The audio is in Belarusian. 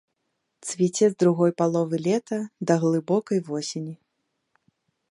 Цвіце з другой паловы лета да глыбокай восені.